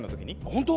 本当？